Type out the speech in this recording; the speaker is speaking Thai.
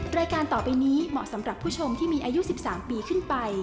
รายการต่อไปนี้เหมาะสำหรับผู้ชมที่มีอายุ๑๓ปีขึ้นไป